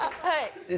はい。